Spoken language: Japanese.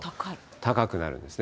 高くなるんですね。